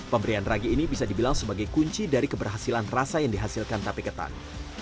pemberian ragi ini bisa dibilang sebagai kunci dari keberhasilan rasa yang dihasilkan tape ketan